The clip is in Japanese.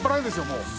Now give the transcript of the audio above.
もう。